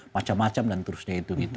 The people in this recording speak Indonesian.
macam macam dan terusnya